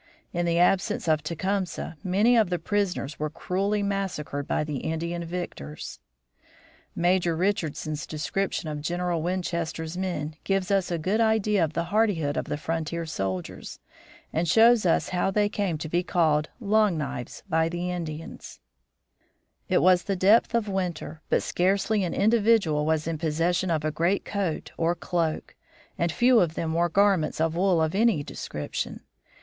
In the absence of Tecumseh many of the prisoners were cruelly massacred by the Indian victors. Major Richardson's description of General Winchester's men gives us a good idea of the hardihood of the frontier soldiers, and shows us how they came to be called "Long Knives" by the Indians: "It was the depth of winter; but scarcely an individual was in possession of a great coat or cloak, and few of them wore garments of wool of any description.